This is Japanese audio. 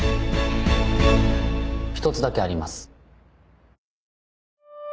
一つだけあります。